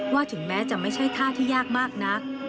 ถึงแม้จะไม่ใช่ท่าที่ยากมากนัก